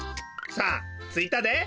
さあついたで。